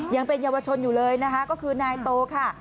ยังเป็นเยาวชนอยู่เลยนะคะก็คือนายโตค่ะ